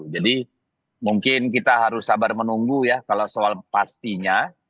jadi mungkin kita harus sabar menunggu ya kalau soal pastinya